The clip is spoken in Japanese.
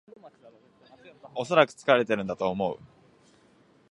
おそらく疲れてるんだと思う